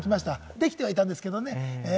出来てはいたんですけどね。